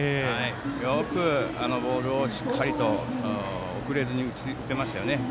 よく、あのボールをしっかりと遅れずに打ちましたよね。